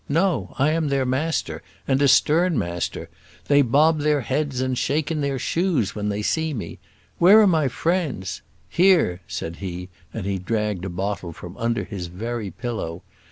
No; I am their master, and a stern master. They bob their heads and shake in their shoes when they see me. Where are my friends? Here!" said he, and he dragged a bottle from under his very pillow.